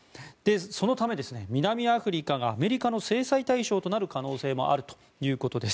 そのため、南アフリカがアメリカの制裁対象となる可能性もあるということです。